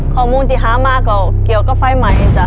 ข้อมูลที่หามาก็เกี่ยวกับไฟใหม่จ้ะ